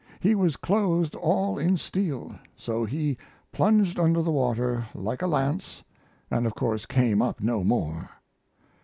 He was clothed all in steel; so he plunged under the water like a lance, and of course came up no more.